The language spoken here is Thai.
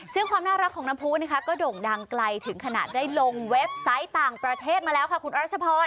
ซึ่งความน่ารักของน้ำพูนะคะก็โด่งดังไกลถึงขนาดได้ลงเว็บไซต์ต่างประเทศมาแล้วค่ะคุณรัชพร